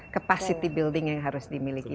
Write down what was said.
kapasitas pembangunan yang harus dimiliki